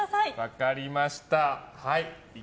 分かりました。